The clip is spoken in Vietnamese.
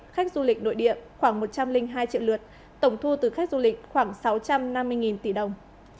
khách du lịch nội địa khoảng một trăm linh hai triệu lượt tổng thu từ khách du lịch khoảng sáu trăm năm mươi tỷ đồng